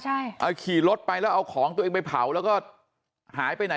ใช่เอาขี่รถไปแล้วเอาของตัวเองไปเผาแล้วก็หายไปไหน